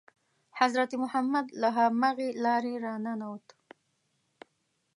حضرت محمد له همغې لارې را ننووت.